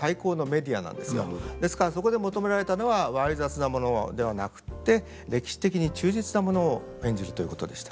ですからそこで求められたのは猥雑なものではなくって歴史的に忠実なものを演じるということでした。